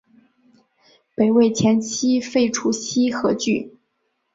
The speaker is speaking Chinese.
北魏前期废除西河郡。